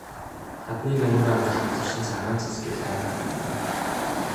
Хадны нөмөр ангалд хоцорсон цагаан цас гялайн харагдана.